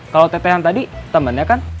kalau tetehan tadi temennya kan